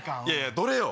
どれよ？